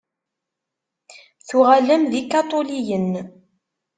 Tuɣalem d ikaṭuliyen.